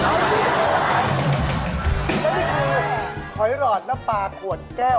ก็นี่คือหอยรอดและปลาขวดแก้ว